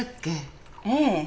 ええ。